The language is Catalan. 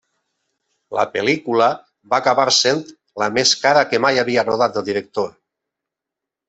La pel·lícula va acabar sent la més cara que mai havia rodat el director.